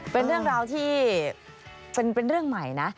เป็นเรื่องราวที่เป็นเรื่องใหม่นะ